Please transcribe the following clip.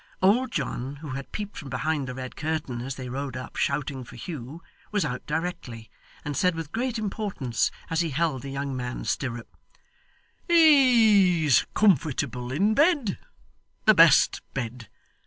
Old John, who had peeped from behind the red curtain as they rode up shouting for Hugh, was out directly, and said with great importance as he held the young man's stirrup, 'He's comfortable in bed the best bed.